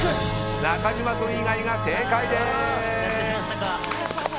中島君以外が正解です。